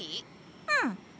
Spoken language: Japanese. うん。